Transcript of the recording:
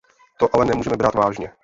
To ale nemůžeme brát vážně.